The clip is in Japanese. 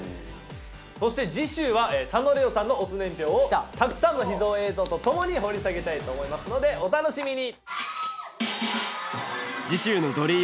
そして次週は佐野玲於さんの乙年表をたくさんの秘蔵映像とともに掘り下げたいと思いますのでお楽しみに！